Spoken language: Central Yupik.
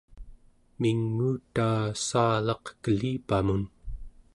minguutaa saalaq kelipamun